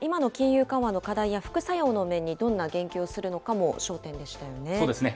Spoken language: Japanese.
今の金融緩和の課題や副作用の面にどんな言及をするのかも焦そうですね。